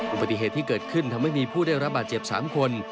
อุบัติเหตุที่เกิดขึ้นทำให้มีผู้ได้รับบาดเจ็บ๓คน